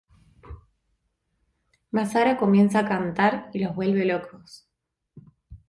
Basara comienza a cantar y los vuelve locos.